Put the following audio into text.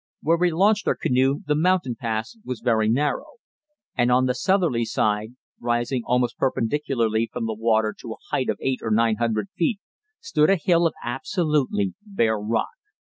Where we launched our canoe the mountain pass was very narrow, and on the southerly side, rising almost perpendicularly from the water to a height of eight or nine hundred feet, stood a hill of absolutely bare rock.